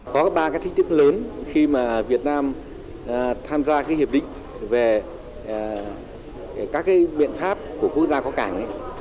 có ba cái thách thức lớn khi mà việt nam tham gia cái hiệp định về các cái biện pháp của quốc gia có cảng